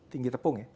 tinggi tepung ya